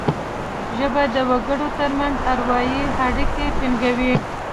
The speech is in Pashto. ژبه د وګړو ترمنځ اروايي اړیکي ټینګوي